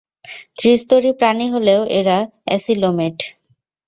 ত্রিস্তরী প্রাণী হলেও এরা অ্যাসিলোমেট।